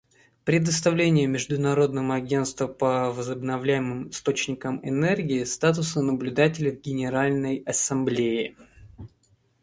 Предоставление Международному агентству по возобновляемым источникам энергии статуса наблюдателя в Генеральной Ассамблее.